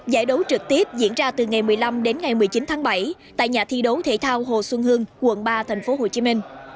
giải đấu trực tiếp diễn ra từ ngày một mươi năm đến ngày một mươi chín tháng bảy tại nhà thi đấu thể thao hồ xuân hương quận ba tp hcm